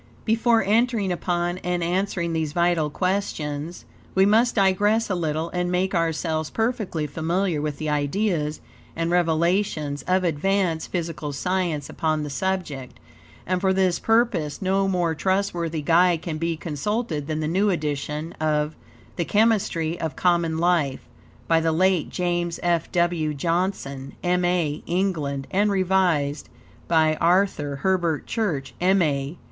Before entering upon and answering these vital questions, we must digress a little, and make ourselves perfectly familiar with the ideas and revelations of advanced physical science upon the subject, and for this purpose no more trustworthy guide can be consulted than the new edition of "The Chemistry of Common Life," by the late James F. W. Johnson, M. A., England, and revised by Arthur Herbert Church, M. A.